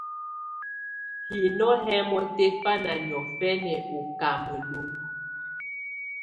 Hinó hɛ́ mɔ́tɛ́fáná niɔ̀fɛna ú kámelun.